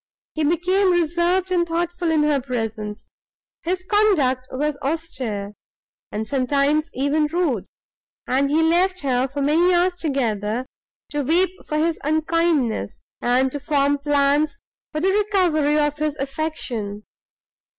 He became reserved and thoughtful in her presence; his conduct was austere, and sometimes even rude; and he left her, for many hours together, to weep for his unkindness, and to form plans for the recovery of his affection.